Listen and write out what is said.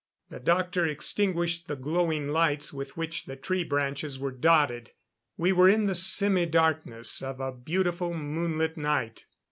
The doctor extinguished the glowing lights with which the tree branches were dotted. We were in the semi darkness of a beautiful, moonlit night.